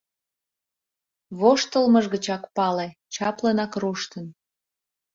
Воштылмыж гычак пале: чаплынак руштын.